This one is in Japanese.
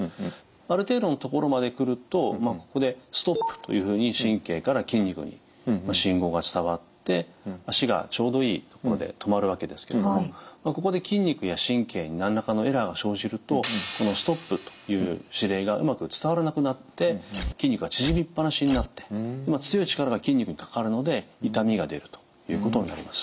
ある程度のところまでくるとここでストップというふうに神経から筋肉に信号が伝わって足がちょうどいいところで止まるわけですけれどもここで筋肉や神経に何らかのエラーが生じるとこのストップという指令がうまく伝わらなくなって筋肉が縮みっぱなしになって強い力が筋肉にかかるので痛みが出るということになります。